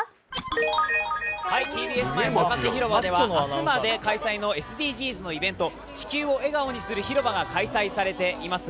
ＴＢＳサカス前広場では明日まで開催のＳＤＧｓのイベント地球を笑顔にする広場が開催されています。